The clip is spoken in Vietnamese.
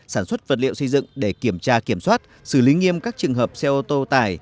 sản xuất vật liệu xây dựng để kiểm tra kiểm soát xử lý nghiêm các trường hợp xe ô tô tải